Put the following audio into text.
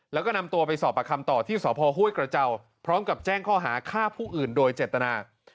แล้วก็นำตัวไปสอบประคำต่อที่สพห้วยกระเจ้าพร้อมกับแจ้งข้อหาฆ่าผู้อื่นโดยเจตนา